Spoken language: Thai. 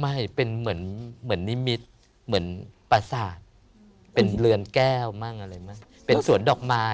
ไม่เป็นเหมือนนิมิตรเหมือนประสาทเป็นเรือนแก้วเป็นสวนดอกไม้